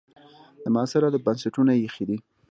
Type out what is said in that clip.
د معاصر ادب بنسټونه یې ایښي دي.